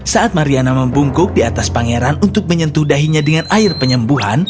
saat mariana membungkuk di atas pangeran untuk menyentuh dahinya dengan air penyembuhan